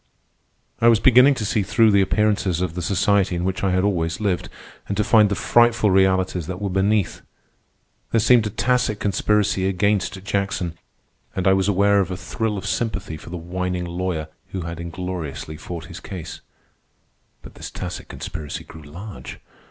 I was beginning to see through the appearances of the society in which I had always lived, and to find the frightful realities that were beneath. There seemed a tacit conspiracy against Jackson, and I was aware of a thrill of sympathy for the whining lawyer who had ingloriously fought his case. But this tacit conspiracy grew large.